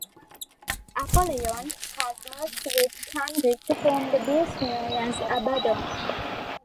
Apollyon has merged with Kamric to form the Beast known as Abbaddon.